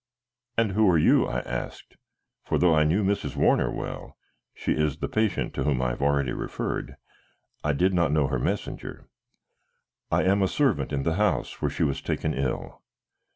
"And who are you?" I asked, for though I knew Mrs. Warner well she is the patient to whom I have already referred I did not know her messenger. "I am a servant in the house where she was taken ill."